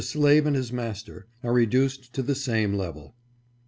535 slave and his master, are reduced to the same level.